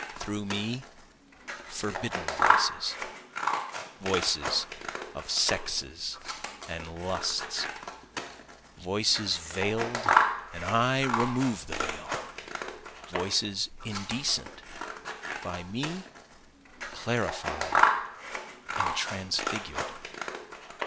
Through me forbidden voices, Voices of sexes and lusts, voices veil'd and I remove the veil, Voices indecent by me clarified and transfigur'd.